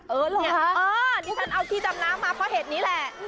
เออเหรอฮะนี่ฉันเอาที่จำน้ำมาเพราะเห็นนี่แหล่ะ